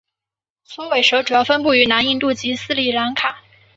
锉尾蛇主要分布于南印度及斯里兰卡。